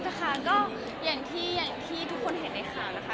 มาถึงเราแล้วนะคะก็อย่างที่ทุกคนเห็นในข่าวนะคะ